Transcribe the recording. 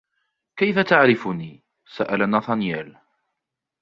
كيف تعرفني ؟ سأل ناثانييل.